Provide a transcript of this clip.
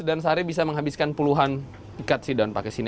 dan sehari bisa menghabiskan puluhan ikat si daun pakis ini